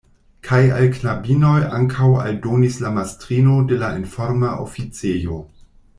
Kaj al knabinoj ankaŭ, aldonis la mastrino de la informa oficejo.